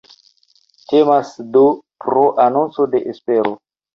Temas, do, pro anonco de espero.